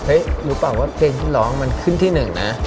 เพื่อนก็มาบอกนวรรร้องมันขึ้นที่หนึ่งนะ